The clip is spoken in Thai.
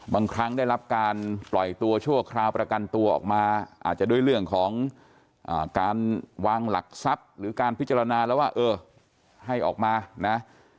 บางครั้งได้รับการปล่อยตัวชั่วคราวประกันตัวออกมาอาจจะด้วยเรื่องของการวางหลักทรัพย์หรือการพิจารณาแล้วว่าเออให้ออกมานะ